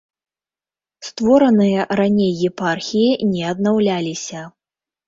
Створаныя раней епархіі не аднаўляліся.